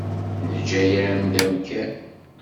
Neǧǧa-yam-d amkan.